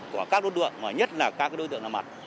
của các đối tượng nhất là các đối tượng ra mặt